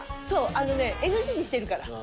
そうあのねＮＧにしてるから。